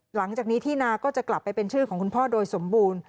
หลังจากนี้ที่นาก็จะกลับไปเป็นชื่อของคุณพ่อโดยสมบูรณ์